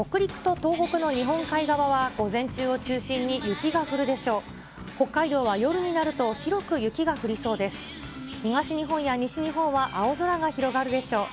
東日本や西日本は青空が広がるでしょう。